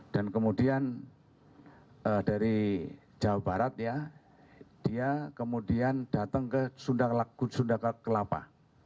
kemudian dari jawa barat ya dia kemudian datang ke sunda kelapa